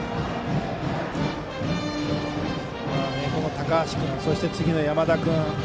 高橋君、そして次の山田君。